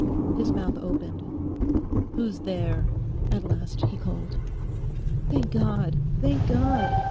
His mouth opened. 'Who's there?' at last he called. 'Thank God, thank God!